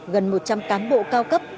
gần một trăm linh cán bộ cao cấp